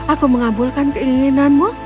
aku mengabulkan keinginanmu